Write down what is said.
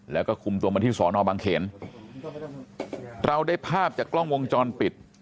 แล้วก็คุมตัวมาที่สอนอบังเขนเราได้ภาพจากกล้องวงจรปิด